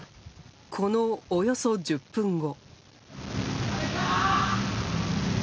このおよそ１０分後。